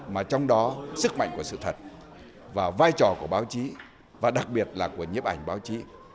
mà trong đó sức mạnh của sự thật và vai trò của báo chí và đặc biệt là của nhiếp ảnh báo chí